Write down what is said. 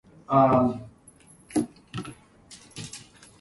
Park Farm Road, which adjoins Mavelstone Road, is also unadopted and unpaved.